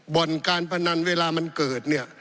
บ่อนการพนันเวลามันเกิดเนี่ย